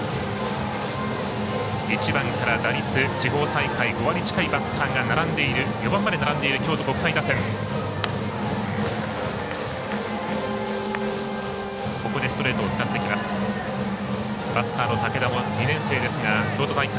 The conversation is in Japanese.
１番から打率、地方大会５割近いバッターが４番まで並んでいる京都国際打線。